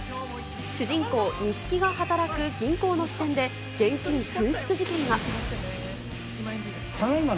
主人公、西木が働く銀行の支店で、現金紛失事件が。